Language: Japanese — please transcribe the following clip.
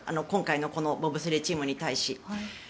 今回のこのボブスレーチームに対し。